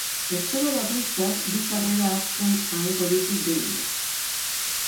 Pertsona bakoitzak bi sarrera hartzen ahalko ditu gehienez.